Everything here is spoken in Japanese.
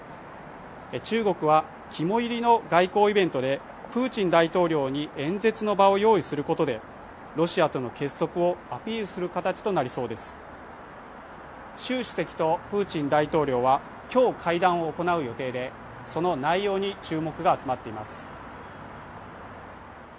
中国は肝煎りの外交イベントでプーチン大統領に演説の場を用意することでロシアとの結束をアピールする形となりそうです習主席とプーチン大統領はきょう会談を行う予定でその内容に注目が集まっています